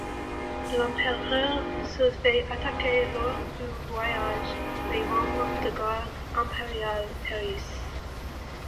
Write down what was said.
L'empereur se fait attaquer lors du voyage, les membres de garde impérial périssent.